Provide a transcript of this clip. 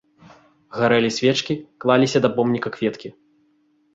Гарэлі свечкі, клаліся да помніка кветкі.